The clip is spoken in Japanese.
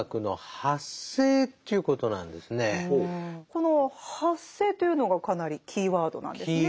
この「発生」というのがかなりキーワードなんですね。